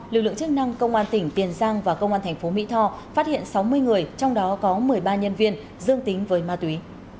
lực lượng chức năng công an tỉnh tiền giang và công an thành phố mỹ tho phát hiện sáu mươi người trong đó có một mươi ba nhân viên dương tính với ma túy